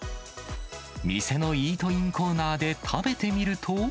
店のイートインコーナーで食べてみると。